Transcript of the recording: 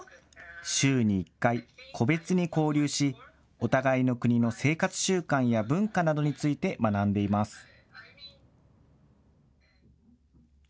週に１回、個別に交流し、お互いの国の生活習慣や文化などについて学んでいます。